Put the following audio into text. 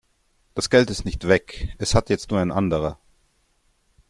Das Geld ist nicht weg, es hat jetzt nur ein anderer.